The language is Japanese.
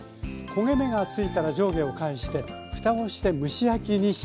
焦げ目がついたら上下を返してふたをして蒸し焼きにします。